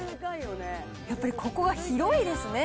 やっぱりここが広いですね。